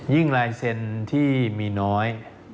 ยิ่งลายเซ็นที่มีน้อย